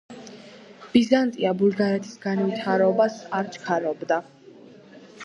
ბიზანტია ბულგარეთის გათავისუფლებას არ ჩქარობდა.